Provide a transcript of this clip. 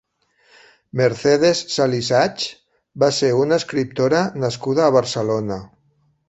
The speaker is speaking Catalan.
Mercedes Salisachs va ser una escriptora nascuda a Barcelona.